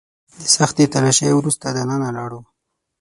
د سختې تلاشۍ وروسته دننه لاړو.